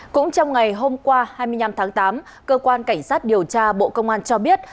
cũng trong ngày hôm qua hai mươi năm tháng tám cơ quan cảnh sát điều tra bộ công an cho biết